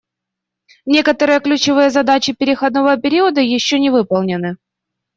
Некоторые ключевые задачи переходного периода еще не выполнены.